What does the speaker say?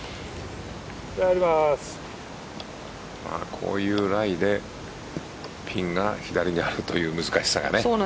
こういうライでピンが左にあるという難しさがね。